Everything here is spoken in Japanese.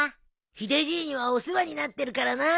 ヒデじいにはお世話になってるからな。